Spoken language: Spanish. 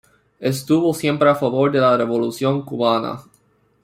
Estuvo siempre a favor de la Revolución Cubana.